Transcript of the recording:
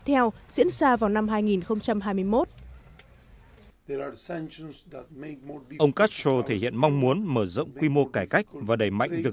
tiếp theo diễn ra vào năm hai nghìn hai mươi một ông castro thể hiện mong muốn mở rộng quy mô cải cách và đẩy mạnh việc